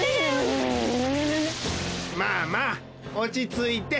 まあまあおちついて。